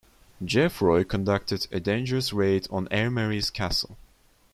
Geoffroi conducted a dangerous raid on Aimery's castle.